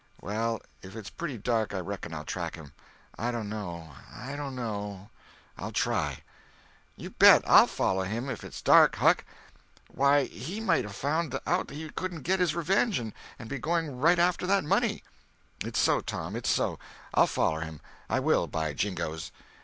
"Well, if it's pretty dark I reckon I'll track him. I dono—I dono. I'll try." "You bet I'll follow him, if it's dark, Huck. Why, he might 'a' found out he couldn't get his revenge, and be going right after that money." "It's so, Tom, it's so. I'll foller him; I will, by jingoes!"